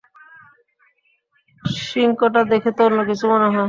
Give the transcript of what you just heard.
সিংকটা দেখে তো অন্য কিছু মনে হচ্ছে।